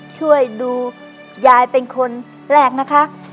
ช่วยดูยายเป็นคนแรกนะคะ